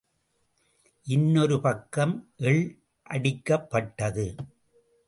இன்னொரு பக்கம், எள் அடிக்கப் பட்டது.